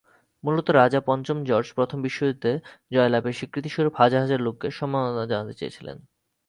মূলতঃ রাজা পঞ্চম জর্জ প্রথম বিশ্বযুদ্ধে জয়লাভের স্বীকৃতিস্বরূপ হাজার হাজার লোককে সম্মাননা জানাতে চেয়েছিলেন।